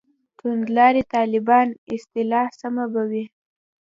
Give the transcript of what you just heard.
«توندلاري طالبان» اصطلاح سمه به وي.